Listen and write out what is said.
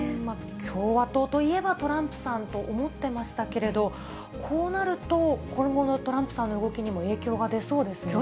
共和党といえば、トランプさんと思ってましたけれども、こうなると、今後のトランプさんの動きにも影響が出そうですよね。